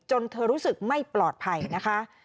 เธอรู้สึกไม่ปลอดภัยนะคะ